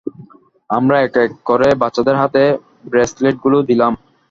আমরা এক এক করে বাচ্চাদের হাতে ব্রেসলেটগুলো দিলাম।